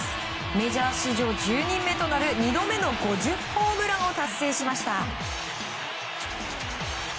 メジャー史上１０人目となる２度目の５０ホームランを達成しました。